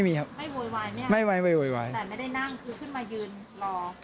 ไม่โวยวายเนี่ยแต่ไม่ได้นั่งคือขึ้นมายืนรอ